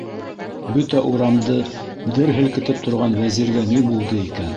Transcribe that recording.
Бөтә урамды дер һелкетеп торған Вәзиргә ни булды икән?